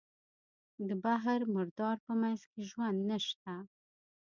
د بحر مردار په منځ کې ژوند نشته.